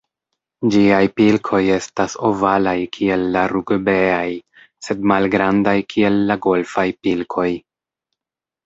Ĝiaj pilkoj estas ovalaj kiel la rugbeaj, sed malgrandaj kiel la golfaj pilkoj.